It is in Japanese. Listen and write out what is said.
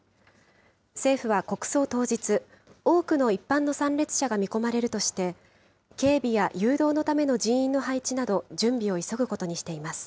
政府は国葬当日、多くの一般の参列者が見込まれるとして、警備や誘導のための人員の配置など、準備を急ぐことにしています。